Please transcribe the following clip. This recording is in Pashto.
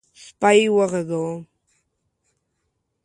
_سپی وغږوم؟